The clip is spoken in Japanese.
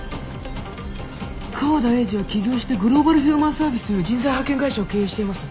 河田英司は起業してグローバルヒューマンサービスという人材派遣会社を経営しています。